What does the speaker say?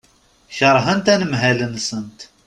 Keṛhent anemhal-nsent.